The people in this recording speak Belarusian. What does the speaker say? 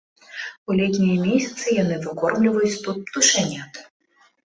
У летнія месяцы яны выкормліваюць тут птушанят.